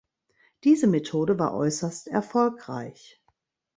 Diese Methode war äußerst erfolgreich.